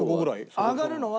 上がるのは。